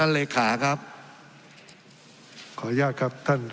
ทั้งสองกรณีผลเอกประยุทธ์